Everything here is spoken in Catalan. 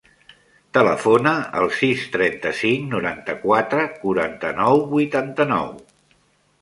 Telefona al sis, trenta-cinc, noranta-quatre, quaranta-nou, vuitanta-nou.